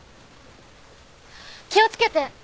気をつけて！